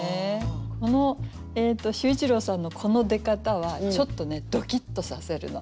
この秀一郎さんのこの出方はちょっとねドキッとさせるの。